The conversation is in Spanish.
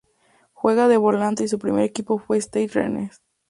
Juega de volante y su primer equipo fue Stade Rennes.